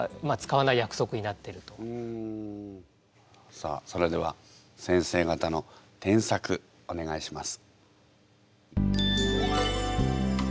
さあそれでは先生方の添削お願いします。